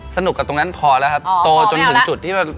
สนุกกับตรงนั้นพอแล้วครับ